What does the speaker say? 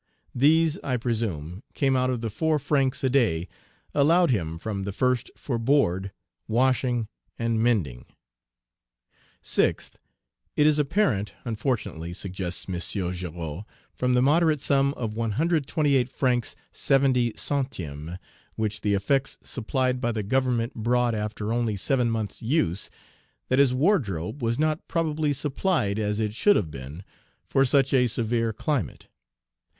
These, I presume, came out of the four francs a day allowed him from the first for board, washing, and mending. 6th. It is apparent, unfortunately, suggests M. Girod, from the moderate sum of 128fr. 70c., which the effects supplied by the Government brought after only seven months' use, that his wardrobe was not probably supplied as it should have been for such a severe climate.